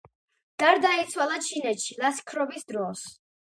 გარდაიცვალა ჩინეთში ლაშქრობის დროს.